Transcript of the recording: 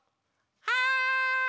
はい！